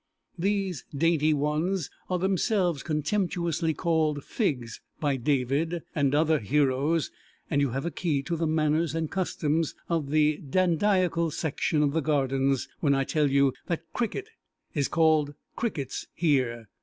These dainty ones are themselves contemptuously called Figs by David and other heroes, and you have a key to the manners and customs of this dandiacal section of the Gardens when I tell you that cricket is called crickets here.